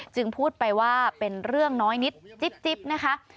จึงพูดไปว่าเป็นเรื่องน้อยนิดจิ๊บนะคะ